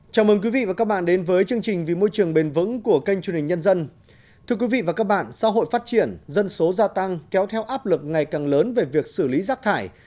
các bạn hãy đăng ký kênh để ủng hộ kênh của chúng mình nhé